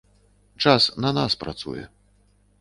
Час на нас працуе.